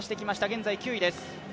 現在９位です。